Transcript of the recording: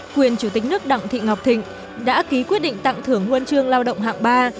quyền chủ tịch nước đặng thị ngọc thịnh đã ký quyết định tặng thưởng huân chương lao động hạng ba